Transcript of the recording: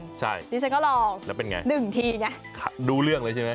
นี่ฉันก็ลองดูเรื่องเลยใช่มั้ย